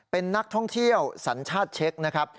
เป็นนักท่องเที่ยวสัญชาติเช็คนะครับ